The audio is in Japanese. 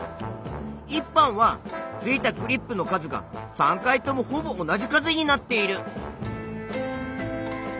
１班は付いたクリップの数が３回ともほぼ同じ数になっている。